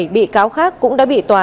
bảy bị cáo khác cũng đã bị tòa